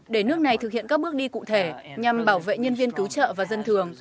để nước này thực hiện các bước đi cụ thể nhằm bảo vệ nhân viên cứu trợ và dân thường